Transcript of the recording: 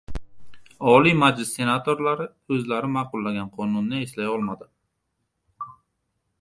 Oliy Majlis senatorlari o‘zlari ma’qullagan qonunni eslay olmadi